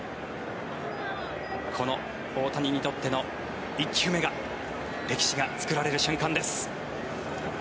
この大谷にとっての１球目が歴史が作られる瞬間です。